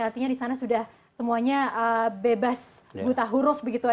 artinya di sana sudah semuanya bebas buta huruf begitu ya